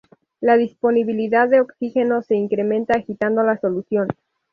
La disponibilidad de oxígeno se incrementa agitando la solución.